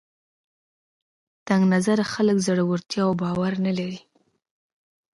تنګ نظره خلک زړورتیا او باور نه لري